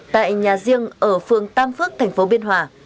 tại nhà riêng ở phường tam phước tp biên hòa